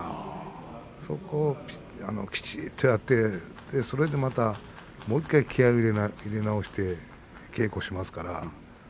そこをきちっとやってそれでまた気合いを入れ直して稽古しますからね。